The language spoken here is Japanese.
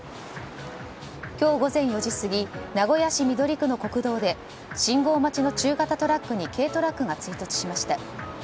今日午前４時過ぎ名古屋市緑区の国道で信号待ちの中型トラックに軽トラックが追突しました。